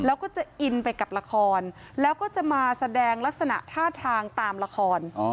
แล้วก็จะอินไปกับละครแล้วก็จะมาแสดงลักษณะท่าทางตามละคร